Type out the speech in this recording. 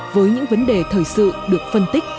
với những vấn đề thời sự được phân tích